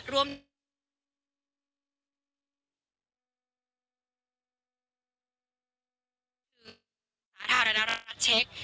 รวมถึงจากธารณรัชเช็ค